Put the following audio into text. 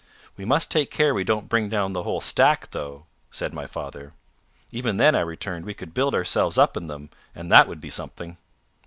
"We must take care we don't bring down the whole stack though," said my father. "Even then," I returned, "we could build ourselves up in them, and that would be something."